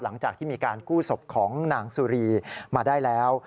หลังจากที่มีการกู้ศพของนางสุรีมาได้แล้ว